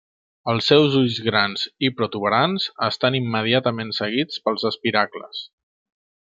Els seus ulls grans i protuberants estan immediatament seguits pels espiracles.